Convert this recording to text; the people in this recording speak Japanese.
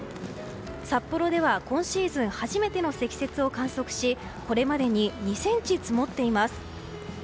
札幌では今シーズン初めての積雪を観測しこれまでに２ｃｍ積もっています。